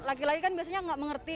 laki laki kan biasanya nggak mengerti